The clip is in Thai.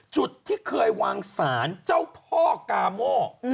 จุดที่เคยวางสารเจ้าพ่อกาโม